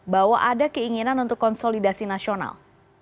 bahwa ada keinginan untuk konsolidasi nasional